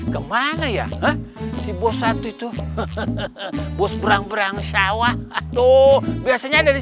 kemana ya si bos satu itu bos berang berang sawah tuh biasanya ada di